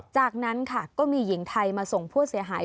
จากนั้นค่ะก็มีหญิงไทยมาส่งผู้เสียหาย